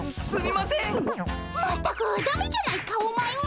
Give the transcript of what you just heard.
まったくだめじゃないかお前は。